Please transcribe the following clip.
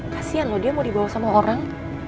kasian loh dia mau dibawa sama orang